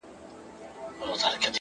وتاته زه په خپله لپه كي ـ